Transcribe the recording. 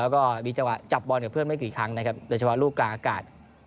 กับเพื่อนไม่กี่ครั้งนะครับแต่เฉพาะรูปกลางอากาศ